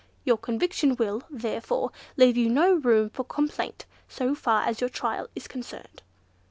Your conviction will, therefore, leave you no room for complaint so far as your trial is concerned."